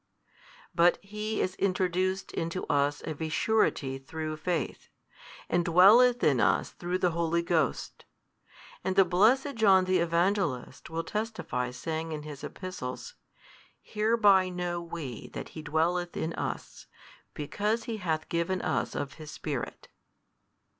But He is introduced into us of a surety through faith, and dwelleth in us through the Holy Ghost: and the blessed John the Evangelist will testify saying in his epistles Hereby know we that He dwelleth in us, because He hath given us of His Spirit.